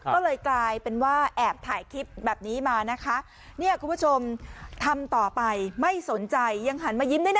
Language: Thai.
ก็เลยกลายเป็นว่าแอบถ่ายคลิปแบบนี้มานะคะเนี่ยคุณผู้ชมทำต่อไปไม่สนใจยังหันมายิ้มด้วยนะ